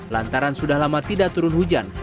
lantaran sudah lama tidak turun hujan